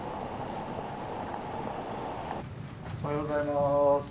おはようございます。